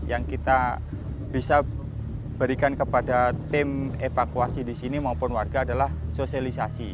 yang kita bisa berikan kepada tim evakuasi di sini maupun warga adalah sosialisasi